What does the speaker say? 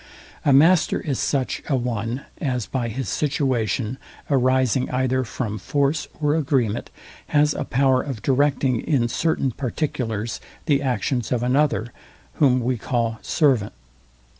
A master is such a one as by his situation, arising either from force or agreement, has a power of directing in certain particulars the actions of another, whom we call servant.